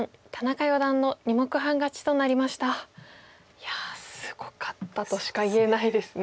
いやすごかったとしか言えないですね。